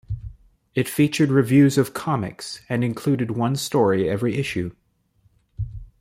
It featured reviews of comics, and included one story every issue.